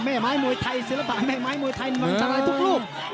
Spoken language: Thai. แม่ไม้มวยไทยศิลปะแม่ไม้มวยไทยมันสลายทุกรูป